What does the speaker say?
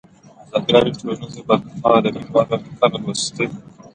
ازادي راډیو د ټولنیز بدلون په اړه د مینه والو لیکونه لوستي.